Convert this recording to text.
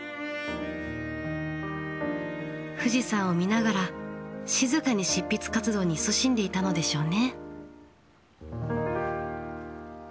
富士山を見ながら静かに執筆活動にいそしんでいたのでしょうね。